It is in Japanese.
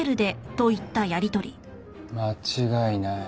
間違いない。